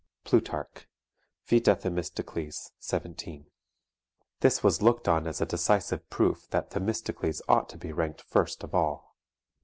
[Plutarch, Vit. Them. 17.] This was looked on as a decisive proof that Themistocles ought to be ranked first of all.